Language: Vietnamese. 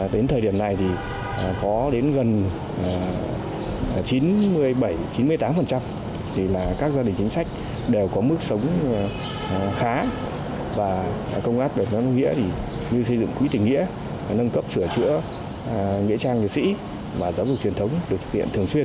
tới thời điểm này có đến gần chín mươi bảy chín mươi tám các gia đình chính sách đều có mức sống khá và công áp đều có nghĩa như xây dựng quý tình nghĩa nâng cấp sửa chữa nghĩa trang liệt sĩ và giáo dục truyền thống được thực hiện thường xuyên